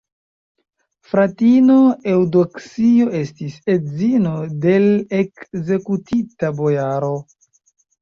Fratino Eŭdoksio estis edzino de l' ekzekutita bojaro.